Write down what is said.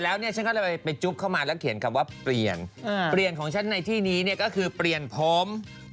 แล้วเนี่ยฉันก็เลยไปจุ๊บเข้ามาแล้วเขียนคำว่าเปลี่ยนเปลี่ยนของฉันในที่นี้เนี่ยก็คือเปลี่ยนผม